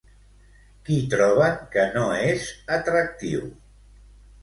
Qui troben que no és atractiu?